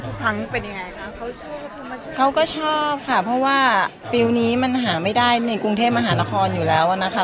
ค่ะเขาก็ชอบค่ะเพราะว่าปีวนี้มันหาไม่ได้ในกรุงเทพมหานครอยู่แล้วนะคะ